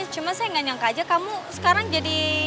cuma saya nggak nyangka aja kamu sekarang jadi